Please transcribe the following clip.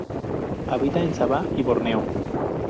Habita en Sabah y Borneo.